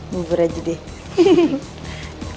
bubur aja deh